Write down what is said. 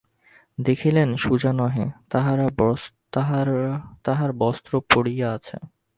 দেখিলেন, সুজা নহে, তাঁহার বস্ত্র পড়িয়া আছে।